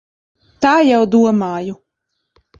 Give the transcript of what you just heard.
Tā jau domāju.